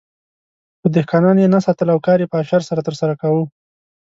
خو دهقانان یې نه ساتل او کار یې په اشر سره ترسره کاوه.